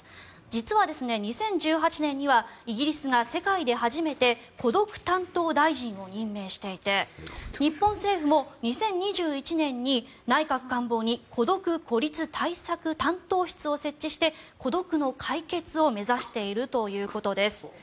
実は２０１８年にはイギリスが世界で初めて孤独担当大臣を任命していて日本政府も２０２１年に内閣官房に孤独・孤立対策担当室を設置して孤独の解決を目指しているということです。